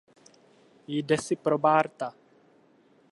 Jde si pro Barta.